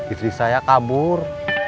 istri saya kabur